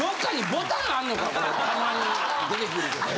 たまに出てくるけど。